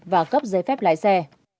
và cấp giấy phép lái xe